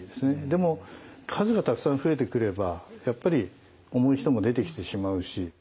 でも数がたくさん増えてくればやっぱり重い人も出てきてしまうし。